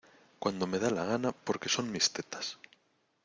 cuando me da la gana porque son mis tetas